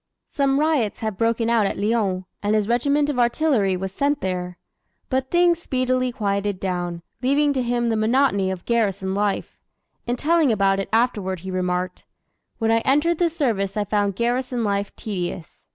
Some riots had broken out at Lyons, and his regiment of artillery was sent there. But things speedily quieted down, leaving to him the monotony of garrison life. In telling about it afterward he remarked: "When I entered the service I found garrison life tedious.